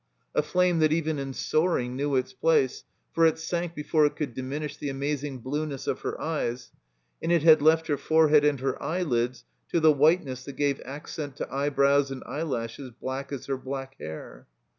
A flame that even in soaring knew its place; for it sank before it could diminish the amazing blueness of her eyes; and it had left her forehead and her eyelids to the whiteness that gave accent to eyebrows and eyelashes black as her black hair.